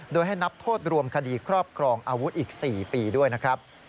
โดยให้นับโทษรวมคดีครอบครองอาวุธอีก๔ปีด้วยนะครับ